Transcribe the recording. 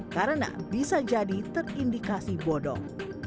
karena bisa jadi terindikasi bodong